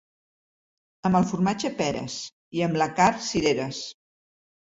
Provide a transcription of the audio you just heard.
Amb el formatge, peres, i amb la carn, cireres.